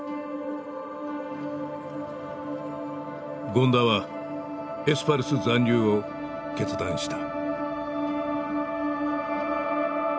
権田はエスパルス残留を決断した。